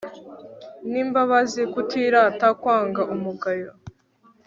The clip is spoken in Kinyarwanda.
n'imbabazi, kutirata, kwanga umugayo